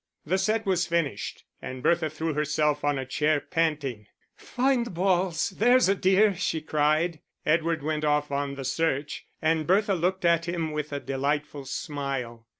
The set was finished, and Bertha threw herself on a chair, panting. "Find the balls, there's a dear," she cried. Edward went off on the search, and Bertha looked at him with a delightful smile.